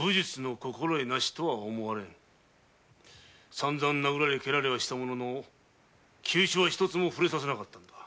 さんざん殴られ蹴られはしたものの急所は一つも触れさせなかったのだ。